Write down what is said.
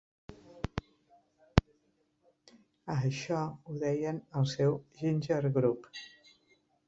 A això ho deien el seu Ginger Group.